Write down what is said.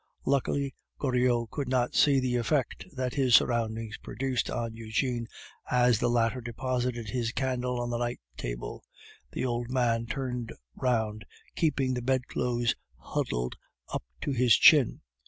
Luckily, Goriot could not see the effect that his surroundings produced on Eugene as the latter deposited his candle on the night table. The old man turned round, keeping the bedclothes huddled up to his chin.